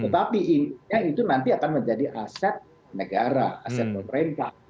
tetapi intinya itu nanti akan menjadi aset negara aset pemerintah